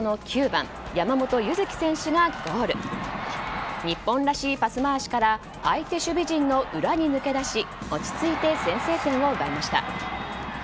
日本らしいパス回しから相手守備陣の裏に抜け出し落ち着いて先制点を奪いました。